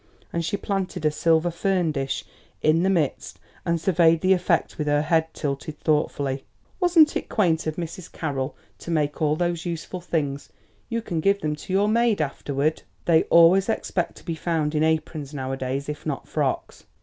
And she planted a silver fern dish in the midst and surveyed the effect with her head tilted thoughtfully. "Wasn't it quaint of Mrs. Carroll to make all those useful things? You can give them to your maid afterward; they always expect to be found in aprons nowadays if not frocks.